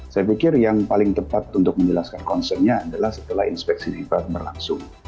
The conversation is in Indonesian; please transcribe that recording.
saya pikir yang paling tepat untuk menjelaskan concernnya adalah setelah inspeksi sifat berlangsung